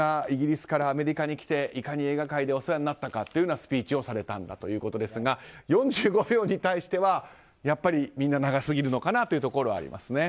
イギリスからアメリカに来ていかに映画界でお世話になったかというスピーチをされたそうですが４５秒に対してはみんな長すぎるのかなというところがあります。